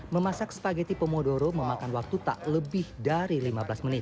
memasak spaghetti pomodoro memakan waktu tak lebih dari lima belas menit